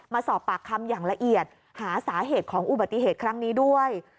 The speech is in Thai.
มาสอบปากคำอย่างละเอียดหาสาเหตุของอุบัติเหตุครั้งนี้ด้วย